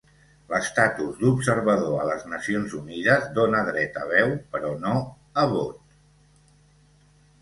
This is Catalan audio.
L'estatus d'observador a les Nacions Unides dóna dret a veu, però no a vot.